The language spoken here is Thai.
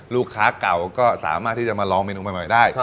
ลูกค้าเก่าก็สามารถที่จะมาลองเมนูใหม่ได้